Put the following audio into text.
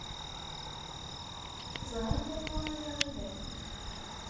Ẓrant anwa ay aɣ-ilan.